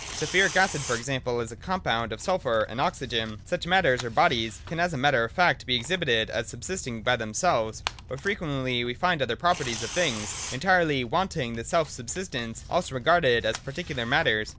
Sulphuric acid, for example, is a compound of sulphur and oxygen. Such matters or bodies can as a matter of fact be exhibited as subsisting by themselves : but frequently we find other properties of things, entirely wanting this self subsistence, also regarded as particular matters.